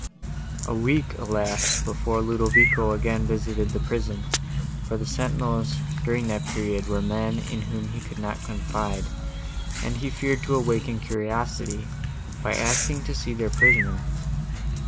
A week elapsed, before Ludovico again visited the prison; for the sentinels, during that period, were men, in whom he could not confide, and he feared to awaken curiosity, by asking to see their prisoner.